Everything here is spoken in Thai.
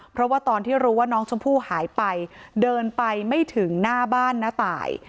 เพราะว่าตอนที่รู้ว่าน้องชมพู่หายไปเดินไปไม่ถึงหน้าบ้านน้าตาย